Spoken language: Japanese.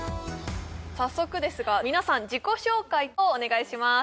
早速ですが皆さん自己紹介をお願いします